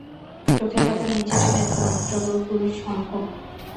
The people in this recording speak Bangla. চোখের পাতা নিচে টেনে ধরুন যতদূর সম্ভব।